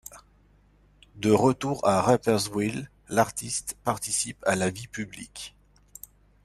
De retour à Rapperswil, l'artiste participe à la vie publique.